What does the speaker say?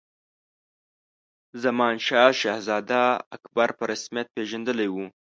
زمانشاه شهزاده اکبر په رسمیت پېژندلی وو.